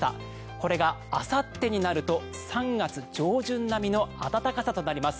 これがあさってになると３月上旬並みの暖かさとなります。